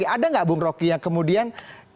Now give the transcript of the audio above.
ada nggak bung roky yang kemudian